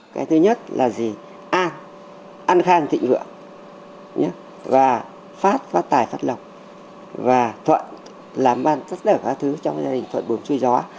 cái thứ nhất là gì an an khang thịnh vượng và phát phát tài phát lọc và thuận là mang tất cả các thứ trong gia đình thuận buồn chui gió